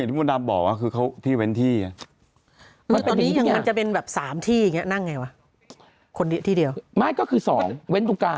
นั่งไงวะคนที่เดียวไม่ก็คือสองเว้นตรงกลาง